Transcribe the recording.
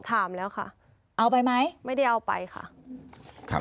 ถามแล้วค่ะเอาไปไหมไม่ได้เอาไปค่ะครับ